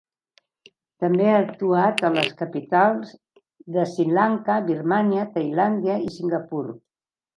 També ha actuat a les capitals d'Sri Lanka, Birmània, Tailàndia i Singapur.